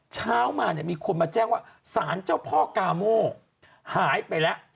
เช้ามาเนี่ยมีคนมาแจ้งว่าสารเจ้าพ่อกาโม่หายไปแล้ว